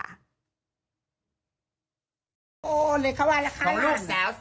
รถไทยนักไอ้รถอันติ๊กอ้าเป้กับอ้าวบี๊